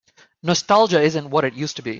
Nostalgia isn't what it used to be.